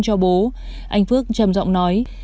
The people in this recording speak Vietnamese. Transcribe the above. cho bố anh phước chầm rộng nói